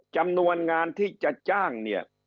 จำนวนงานที่จะจ้าง